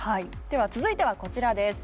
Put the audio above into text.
では続いてはこちらです。